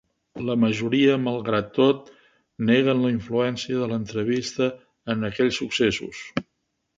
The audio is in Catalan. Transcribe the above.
La majoria, malgrat tot, neguen la influència de l'entrevista en aquells successos.